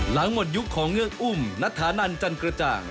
หลังหมดยุคของเงือกอุ้มณฐานันจันกระจ่าง